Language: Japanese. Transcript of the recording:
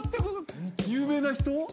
有名な人？